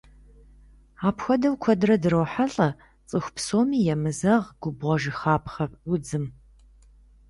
Апхуэдэу куэдрэ дрохьэлӏэ цӏыху псоми емызэгъ губгъуэжыхапхъэ удзым.